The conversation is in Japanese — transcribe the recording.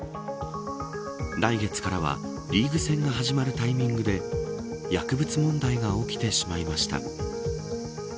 来月からはリーグ戦が始まるタイミングで薬物問題が起きてしまいました。